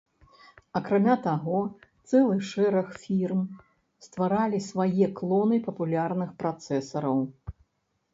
Акрамя таго, целы шэраг фірм стваралі свае клоны папулярных працэсараў.